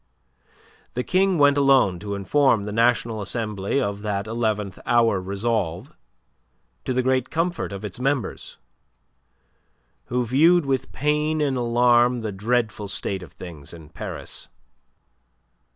The King went alone to inform the National Assembly of that eleventh hour resolve, to the great comfort of its members, who viewed with pain and alarm the dreadful state of things in Paris.